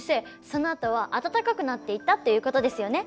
そのあとは暖かくなっていったっていうことですよね。